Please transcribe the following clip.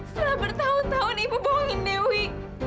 setelah bertahun tahun ibu dewi